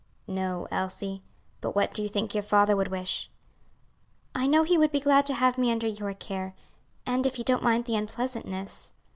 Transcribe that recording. "No, Elsie; but what do you think your father would wish?" "I know he would be glad to have me under your care, and if you don't mind the unpleasantness."